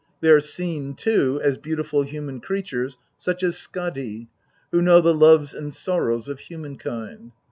They are seen, too, as beautiful human creatures, such as Skadi, who know the loves and sorrows of human kind.